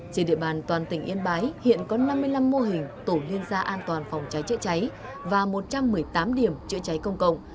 trên địa bàn toàn tỉnh yên bái hiện có năm mươi năm mô hình tổ liên gia an toàn phòng cháy chữa cháy và một trăm một mươi tám điểm chữa cháy công cộng